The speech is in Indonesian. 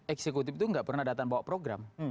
eksekutif itu nggak pernah datang bawa program